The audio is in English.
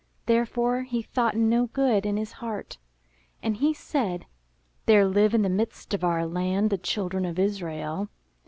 Therefore he thought no good in his heart. And he said: * There live in the midst of our land the Children of Israel.